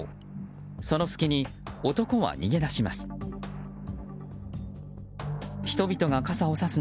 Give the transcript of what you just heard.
その隙に男は逃げ出します。